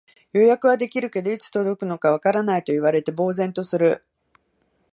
予約はできるけど、いつ届くのかわからないと言われて呆然とする